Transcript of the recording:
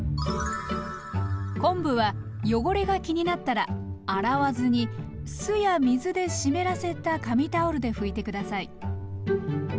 昆布は汚れが気になったら洗わずに酢や水で湿らせた紙タオルで拭いて下さい。